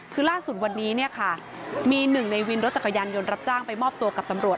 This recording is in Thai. คือล่าสุดวันนี้เนี่ยค่ะมีหนึ่งในวินรถจักรยานยนต์รับจ้างไปมอบตัวกับตำรวจ